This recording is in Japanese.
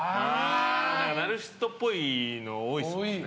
ナルシストっぽいの多いですよね。